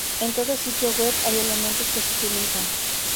En todo sitio web hay elementos que se utilizan.